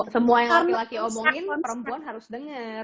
semua yang laki laki omongin perempuan harus dengar